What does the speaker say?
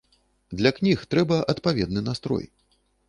Для кніг трэба адпаведны настрой.